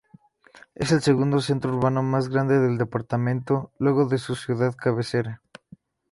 Es el segundo centro urbano más grande del departamento, luego de su ciudad cabecera.